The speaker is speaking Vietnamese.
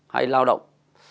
hay lao động